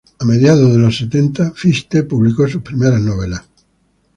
A mediados de los sesenta Fichte publicó sus primeras novelas.